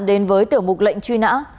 đến với tiểu mục lệnh truy nã